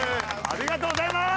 ありがとうございます。